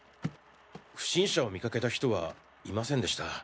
不審者を見かけた人はいませんでした。